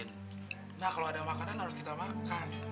nah kalau ada makanan harus kita makan